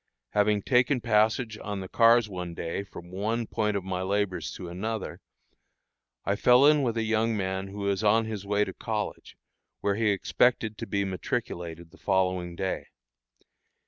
Having taken passage on the cars one day from one point of my labors to another, I fell in with a young man who was on his way to college, where he expected to be matriculated the following day.